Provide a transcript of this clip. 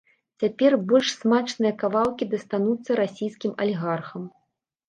Цяпер больш смачныя кавалкі дастануцца расійскім алігархам.